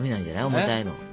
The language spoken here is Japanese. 重たいの。